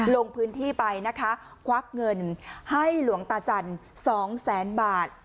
ลงพื้นที่ไปนะคะควักเงินให้หลวงตาจันทร์สองแสนบาท